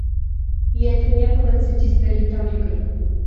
И это не было цветистой риторикой.